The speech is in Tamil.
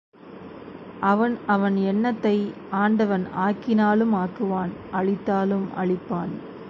அவன் அவன் எண்ணத்தை ஆண்டவன் ஆக்கினாலும் ஆக்குவான் அழித்தாலும் அழிப்பான்.